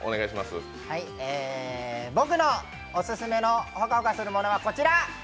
僕のオススメのホカホカするものはこちら！